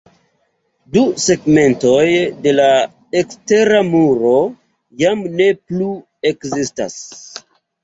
Du segmentoj de la ekstera muro jam ne plu ekzistas.